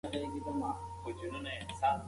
ځینې څېړنې دا اغېز نه مني.